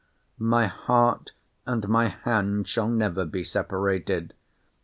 My heart and my hand shall never be separated.